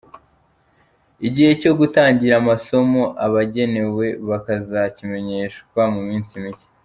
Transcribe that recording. Igihe cyo gutangira amasomo abagenewe bakazakimenyeshwa mu minsi mike.